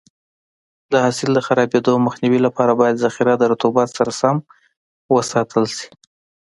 د حاصل د خرابېدو مخنیوي لپاره باید ذخیره د رطوبت سره سم وساتل شي.